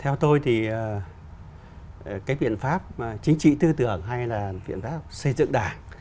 theo tôi thì cái biện pháp chính trị tư tưởng hay là biện pháp xây dựng đảng